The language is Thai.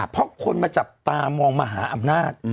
เพราะคนมาจับตามองมหาอำนาจ